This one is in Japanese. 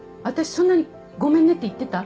そんなに「ごめんね」って言ってた？